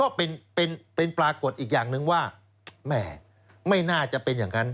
ก็เป็นปรากฏอีกอย่างหนึ่งว่าแหมไม่น่าจะเป็นอย่างนั้น